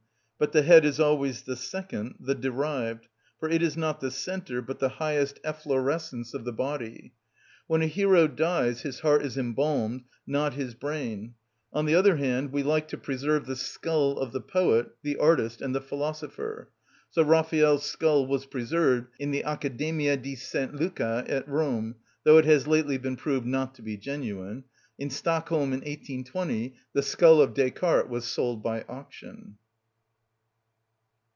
But the head is always the second, the derived; for it is not the centre but the highest efflorescence of the body. When a hero dies his heart is embalmed, not his brain; on the other hand, we like to preserve the skull of the poet, the artist, and the philosopher. So Raphael's skull was preserved in the Academia di S. Luca at Rome, though it has lately been proved not to be genuine; in Stockholm in 1820 the skull of Descartes was sold by auction.